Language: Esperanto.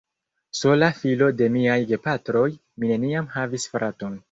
Sola filo de miaj gepatroj, mi neniam havis fraton.